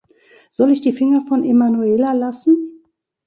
Soll ich die Finger von Emanuela lassen?